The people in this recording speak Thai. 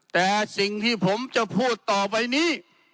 แต่สิ่งที่ผมจะพูดต่อไปนี้